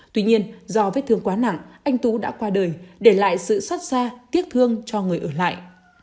tuy nhiên do vết thương quá nặng anh tú đã qua đời để lại sự xót xa tiếc thương cho người ở lại